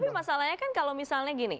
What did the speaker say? tapi masalahnya kan kalau misalnya gini